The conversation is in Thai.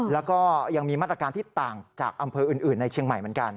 แล้วก็ยังมีมาตรการที่ต่างจากอำเภออื่นในเชียงใหม่เหมือนกัน